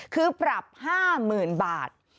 คือปรับ๕๐๐๐๐บาท